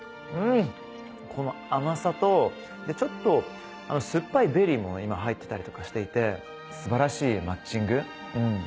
この甘さとちょっと酸っぱいベリーも入ってたりとかしていて素晴らしいマッチングうん。